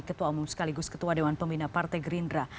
ketua umum sekaligus ketua dewan pembina partai gerindra